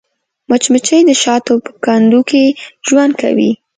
مچمچۍ د شاتو په کندو کې ژوند کوي